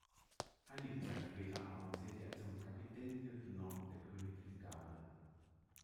Einige Zeit später avancierte er zum Capitaine-lieutenant der königlichen Garde.